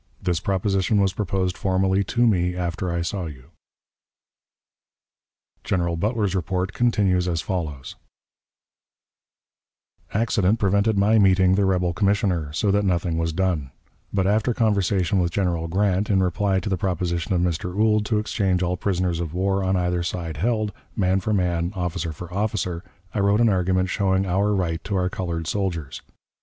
This proposition was proposed formally to me after I saw you." General Butler's report continues as follows: "Accident prevented my meeting the rebel commissioner, so that nothing was done; but after conversation with General Grant, in reply to the proposition of Mr. Ould to exchange all prisoners of war on either side held, man for man, officer for officer, I wrote an argument showing our right to our colored soldiers.